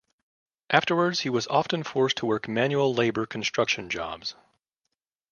Afterwards he was often forced to work manual labor construction jobs.